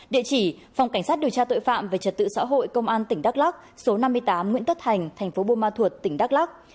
địa chỉ phòng cảnh sát điều tra tội phạm và trật tự xã hội công an tỉnh đắk lắk số năm mươi tám nguyễn tất thành thành phố bô ma thuột tỉnh đắk lắk